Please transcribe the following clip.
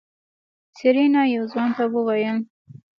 سېرېنا يو ځوان ته وويل.